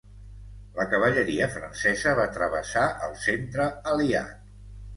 La cavalleria francesa va travessar el centre aliat.